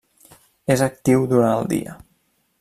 És actiu durant el dia.